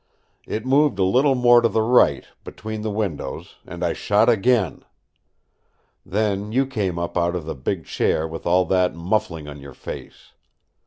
It moved a little more to the right between the windows, and I shot again. Then you came up out of the big chair with all that muffling on your face.